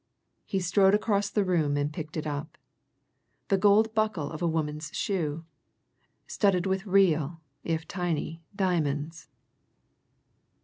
He strode across the room and picked it up the gold buckle of a woman's shoe, studded with real, if tiny, diamonds.